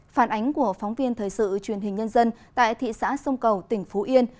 phản ánh của phóng viên thời sự truyền hình nhân dân tại thị xã sông cầu tỉnh phú yên